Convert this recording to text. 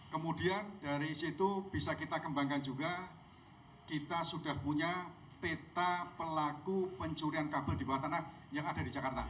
kemudian dari situ bisa kita kembangkan juga kita sudah punya peta pelaku pencurian kabel di bawah tanah yang ada di jakarta